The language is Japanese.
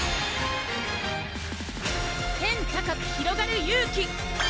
天高くひろがる勇気！